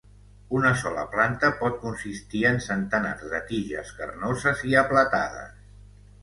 Una sola planta pot consistir en centenars de tiges carnoses i aplatades.